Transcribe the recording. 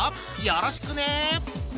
よろしくね！